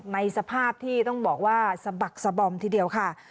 ในสภาพที่ต้องบอกว่าสะบักสะบอมทีเดียวค่ะ